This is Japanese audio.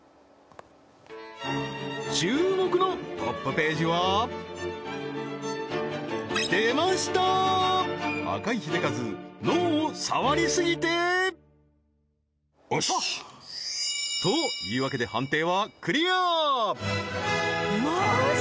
注目のトップページは出ました赤井英和脳を触りすぎてよしというわけで判定はマジで？